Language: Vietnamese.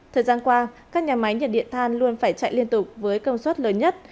thời gian qua các nhà máy nhiệt điện than luôn phải chạy liên tục với công suất lớn nhất